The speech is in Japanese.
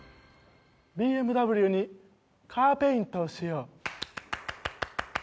「ＢＭＷにカーペイントをしよう！」